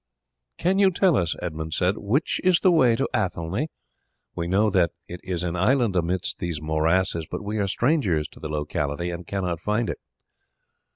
"Can you tell us," Edmund said, "which is the way to Athelney? We know that it is an island amidst these morasses, but we are strangers to the locality and cannot find it."